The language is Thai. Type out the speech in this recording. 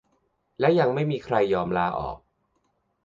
และยังไม่มีใครยอมลาออก